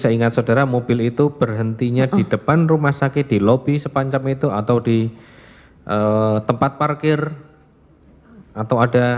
saya ingat saudara mobil itu berhentinya di depan rumah sakit di lobi sepanjang itu atau di tempat parkir atau ada